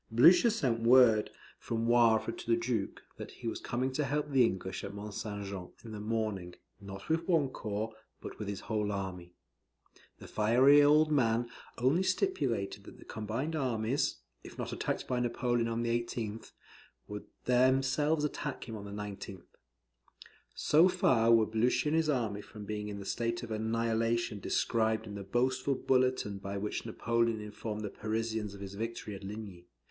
Blucher sent word from Wavre to the Duke, that he was coming to help the English at Mont St. Jean, in the morning, not with one corps, but with his whole army. The fiery old man only stipulated that the combined armies, if not attacked by Napoleon on the 18th, should themselves attack him on the 19th. So far were Blucher and his army from being in the state of annihilation described in the boastful bulletin by which Napoleon informed the Parisians of his victory at Ligny.